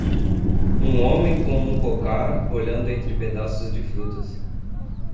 Um homem com um cocar olhando entre pedaços de frutas.